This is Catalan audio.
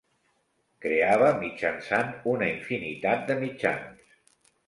Creava mitjançant una infinitat de mitjans.